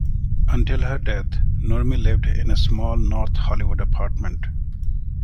Until her death, Nurmi lived in a small North Hollywood apartment.